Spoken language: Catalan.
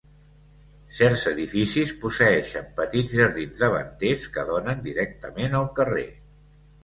Certs edificis posseeixen petits jardins davanters que donen directament al carrer.